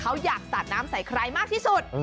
เขาอยากสาดน้ำใส่ใครมากที่สุด